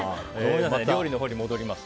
料理のほうに戻ります。